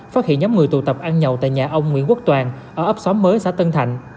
phát hiện nhóm người tụ tập ăn nhậu tại nhà ông nguyễn quốc toàn ở ấp xóm mới xã tân thạnh